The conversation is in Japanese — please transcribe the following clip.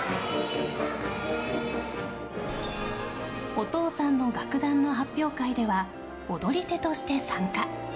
お父さんの楽団の発表会では踊り手として参加。